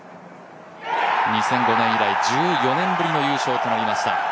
２００５年以来１４年ぶりの優勝となりました